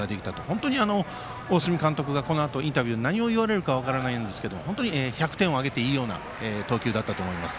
本当に大角監督がこのあとインタビューで何を言われるか分かりませんが本当に１００点をあげていい投球だったと思います。